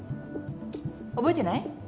覚えてない？